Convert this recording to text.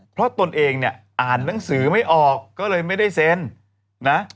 เพราะตนเองเนี่ยอ่านหนังสือไม่ออกก็เลยไม่ได้เซ็นนะ